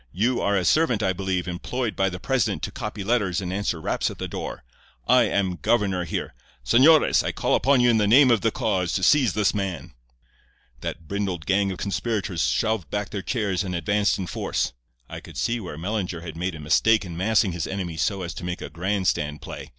'You are a servant, I believe, employed by the president to copy letters and answer raps at the door. I am governor here. Señores, I call upon you in the name of the cause to seize this man.' "That brindled gang of conspirators shoved back their chairs and advanced in force. I could see where Mellinger had made a mistake in massing his enemy so as to make a grand stand play.